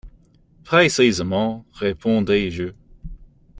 —Précisément, répondis-je.